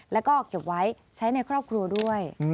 แล้วก็เก็บไว้ใช้ในครอบครัวด้วย